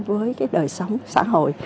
phải sát hơn với đời sống xã hội